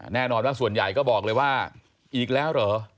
แน่นอนว่าส่วนใหญ่ก็บอกเลยว่าอีกแล้วเหรอ